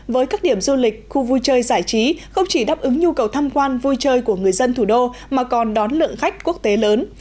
với các điểm du lịch khu vui chơi giải trí không chỉ đáp ứng nhu cầu tham quan vui chơi của người dân thủ đô mà còn đón lượng khách quốc tế lớn